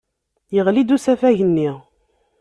Yeɣli-d usafag-nni.